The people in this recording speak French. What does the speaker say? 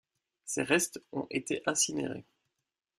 Ses restes ont été incinérés.